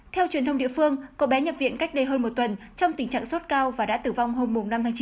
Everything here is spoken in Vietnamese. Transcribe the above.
theo truyền thông địa phương cô bé nhập viện cách đây hơn một tuần trong tình trạng sốt cao và đã tử vong hôm năm tháng chín